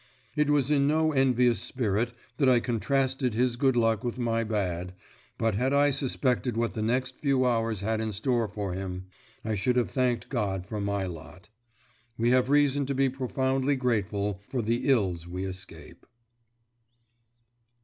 It was in no envious spirit that I contrasted his good luck with my bad, but had I suspected what the next few hours had in store for him, I should have thanked God for my lot. We have reason to be profoundly grateful for the ills we escape.